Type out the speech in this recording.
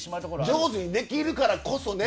上手にできるからこそね。